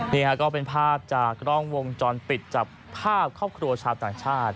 นี้ค่ะก็เป็นภาพจากกรองวงจรปิดจากภาพครอบครัวชาติต่างชาติ